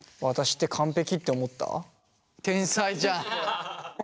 天才じゃん。